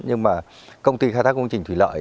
nhưng mà công ty khai thác công trình thủy lợi